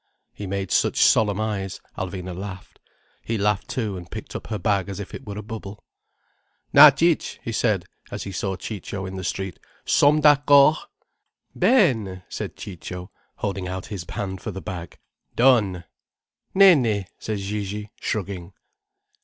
He made such solemn eyes, Alvina laughed. He laughed too, and picked up her bag as if it were a bubble. "Na Cic'—" he said, as he saw Ciccio in the street. "Sommes d'accord." "Ben!" said Ciccio, holding out his hand for the bag. "Donne." "Ne ne," said Gigi, shrugging.